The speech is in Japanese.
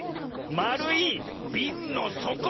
まるいびんのそこ！